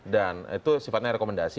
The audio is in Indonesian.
dan itu sifatnya rekomendasi